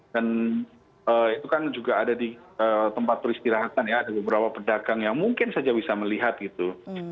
dan itu kan juga ada di tempat turis dirahatan ya ada beberapa pedagang yang mungkin saja bisa melihat gitu